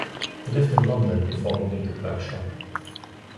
They lived in London before moving to Berkshire.